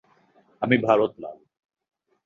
আমি ভারত লাল।